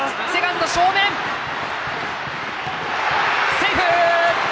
セーフ！